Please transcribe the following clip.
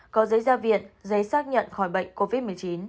có giấy gia viện giấy xác nhận khỏi bệnh covid một mươi chín